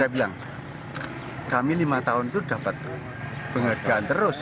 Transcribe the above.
saya bilang kami lima tahun itu dapat penghargaan terus